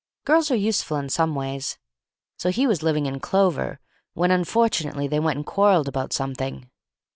Girls are useful in some ways. So he was living in clover, when unfortunately they went and quarrelled about something."